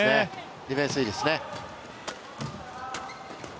ディフェンスいいですね。